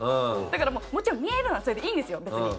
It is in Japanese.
だからもうもちろん見えるのはそれでいいんですよ別に。